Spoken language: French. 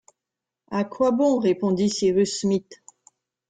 À quoi bon, répondit Cyrus Smith.